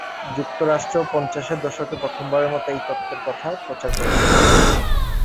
যুক্তরাষ্ট্র পঞ্চাশের দশকে প্রথমবারের মতো এই তত্ত্বের কথা প্রচার করেছিল।